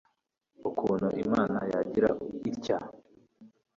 ukuntu imana yagira itya